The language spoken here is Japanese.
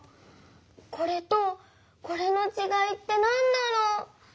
これとこれのちがいってなんだろう？